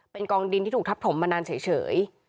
เป็นกองดินที่ถูกทับถมมานานเฉย